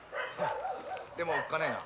でもおっかないな。